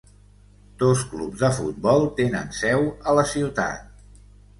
Dos clubs de futbol tenen seu a la ciutat.